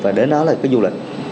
và đến đó là cái du lịch